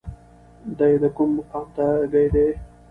دی د کوم مقام تږی نه دی.